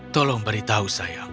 tolong beritahu sayang